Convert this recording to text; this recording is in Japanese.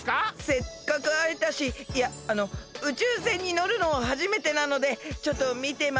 せっかくあえたしいやあの宇宙船にのるのはじめてなのでちょっとみてまわっていいですか？